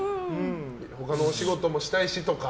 他のお仕事もしたいしとか。